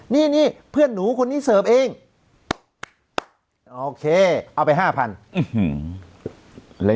เนี่ยเพื่อนหนูคนนี้เสิร์ฟเองเอาไป๕๐๐๐บาท